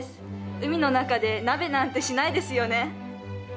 海の中で鍋なんてしないですよね。